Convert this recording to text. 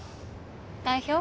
代表。